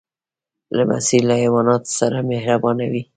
لمسی له حیواناتو سره مهربانه وي.